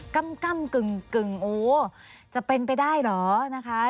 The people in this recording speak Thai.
กำกึ่งโอ้จะเป็นไปได้เหรอนะคะ